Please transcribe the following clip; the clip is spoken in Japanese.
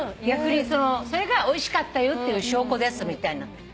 逆にそれがおいしかったよっていう証拠ですみたいな。